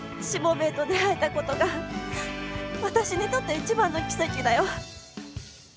しもべえと出会えたことが私にとって一番の奇跡だよ。